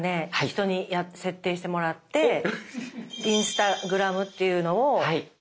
人に設定してもらってインスタグラムというのを。